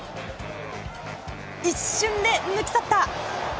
一瞬で抜き去った！